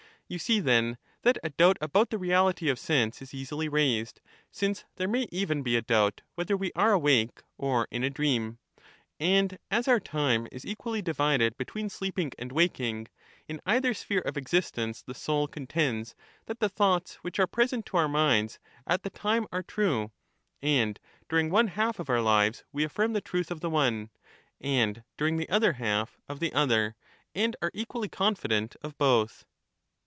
You see, then, that a doubt about the reality of sense is easily raised, since there may even be a doubt whether we are awake or in a dream. And as our time is equally divided between sleeping and waking, in either sphere of existence the soul contend^ that the thoughts which are present to our minds at the time are true ; and during one half of our lives we afiSrm the truth of the one, and, during the other halfi of the other ; and are equally confident of both.